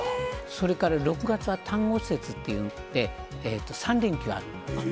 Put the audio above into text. それから６月はたんご節って言って、３連休あるんですよ。